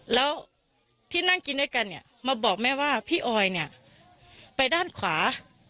แล้วที่นั่งกินด้วยกันมาบอกแม่ว่าพี่อยไปด้านขวา